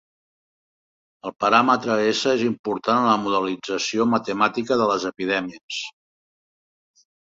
El paràmetre "S" és important en la modelització matemàtica de les epidèmies.